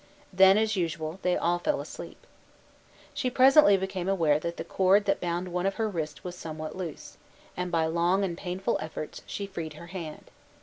Then, as usual, they all fell asleep. She presently became aware that the cord that bound one of her wrists was somewhat loose, and, by long and painful efforts, she freed her hand.